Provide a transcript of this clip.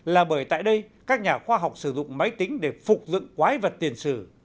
là bởi tại đây các nhà khoa học sử dụng máy tính để phục dựng quái vật tiền sử